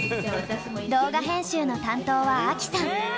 動画編集の担当はアキさん！